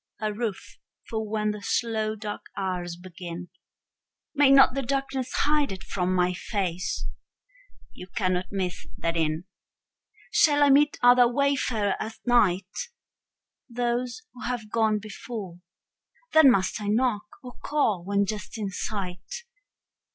A roof for when the slow dark hours begin. May not the darkness hide it from my face? You cannot miss that inn. Shall I meet other wayfarers at night? Those who have gone before. Then must I knock, or call when just in sight?